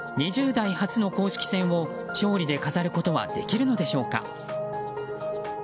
２０代初の公式戦を勝利で飾ることはできるのでしょうか。